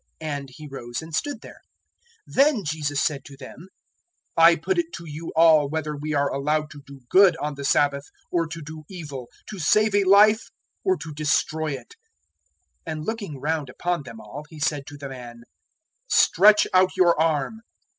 And he rose and stood there. 006:009 Then Jesus said to them, "I put it to you all whether we are allowed to do good on the Sabbath, or to do evil; to save a life, or to destroy it." 006:010 And looking round upon them all He said to the man, "Stretch out your arm."